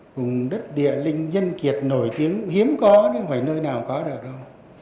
cùng đất địa linh nhân kiệt nổi tiếng hiếm có nó không phải nơi nào có được đâu